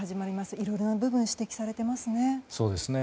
いろいろな部分が指摘されていますね。